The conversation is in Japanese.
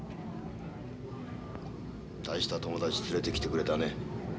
大した友達連れてきてくれたね。